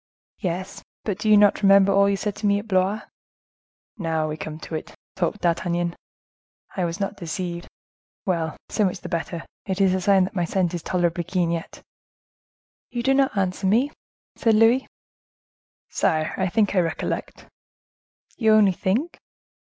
"Yes; but do you not remember all you said to me at Blois?" "Now we come to it," thought D'Artagnan; "I was not deceived. Well, so much the better, it is a sign that my scent is tolerably keen yet." "You do not answer me," said Louis. "Sire, I think I recollect." "You only think?"